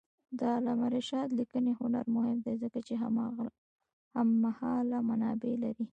د علامه رشاد لیکنی هنر مهم دی ځکه چې هممهاله منابع لري.